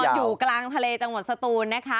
มันอยู่กลางทะเลจังหวัดสตูนนะคะ